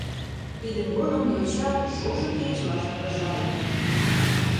Тидын годым йоча шошо кечыла шыргыжале.